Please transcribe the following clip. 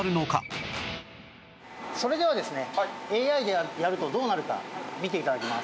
それではですねＡＩでやるとどうなるか見て頂きます。